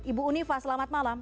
ibu unifah selamat malam